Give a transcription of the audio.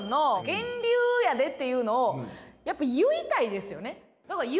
源流やでっていうのをやっぱ言いたいですよね。